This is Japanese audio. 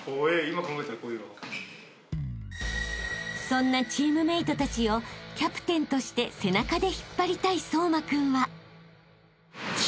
［そんなチームメートたちをキャプテンとして背中で引っ張りたい颯真君は］